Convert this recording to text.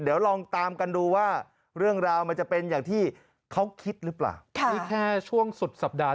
เดี๋ยวลองตามกันดูว่าเรื่องราวมันจะเป็นอย่างที่เขาคิดหรือเปล่า